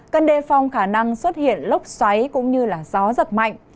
cần đề phòng khả năng xuất hiện lốc xoáy cũng như gió giật mạnh